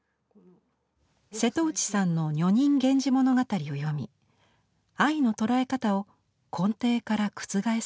瀬戸内さんの「女人源氏物語」を読み愛のとらえ方を根底から覆されました。